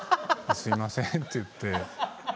すいませんって言って。